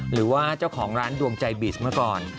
หรือว่าเจ้าของร้านดวงใจบิสเมื่อก่อน